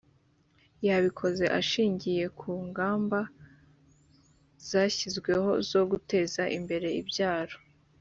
yabikoze ashingiye ku ngamba zashyizweho zo guteza imbere ibyaro